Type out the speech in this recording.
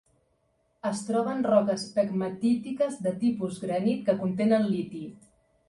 Es troba en roques pegmatítiques de tipus granit que contenen liti.